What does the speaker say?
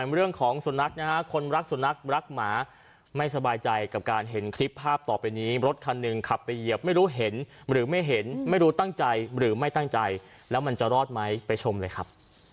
เรื่องของสุนัขนะฮะคนรักสุนัขรักหมาไม่สบายใจกับการเห็นคลิปภาพต่อไปนี้รถคันหนึ่งขับไปเหยียบไม่รู้เห็นหรือไม่เห็นไม่รู้ตั้งใจหรือไม่ตั้งใจแล้วมันจะรอดไหมไปชมเลยครับ